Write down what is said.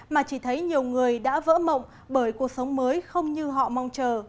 mà chỉ thấy nhiều người đã vỡ mộng bởi cuộc sống mới không như họ mong chờ